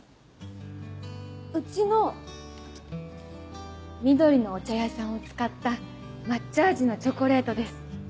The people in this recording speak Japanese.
うちの「緑のお茶屋さん」を使った抹茶味のチョコレートです。